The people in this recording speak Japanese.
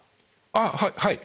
あっはい。